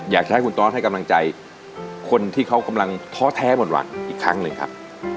อยากจะให้คุณตอสให้กำลังใจคนที่เขากำลังท้อแท้หมดหวังอีกครั้งหนึ่งครับ